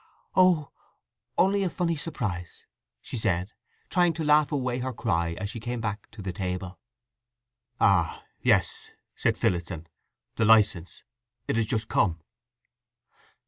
"Oh—only a—funny surprise!" she said, trying to laugh away her cry as she came back to the table. "Ah! Yes," said Phillotson. "The licence… It has just come."